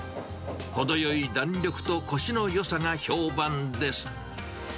程よい弾力とこしのよさが評判です。